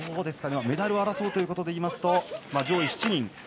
メダルを争うということでいいますと上位７人。